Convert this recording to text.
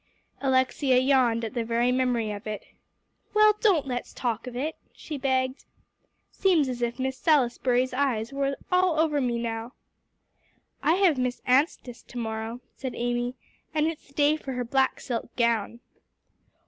Alexia yawned at the very memory of it. "Well, don't let's talk of it," she begged. "Seems as if Miss Salisbury's eyes were all over me now." "I have Miss Anstice to morrow," said Amy, "and it's the day for her black silk gown."